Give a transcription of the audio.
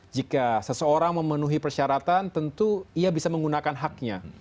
jika seseorang memenuhi persyaratan tentu ia bisa menggunakan haknya